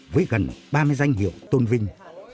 với gần ba mươi danh hiệu tôn vinh